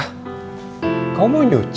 jadi kamu mau ngginset kok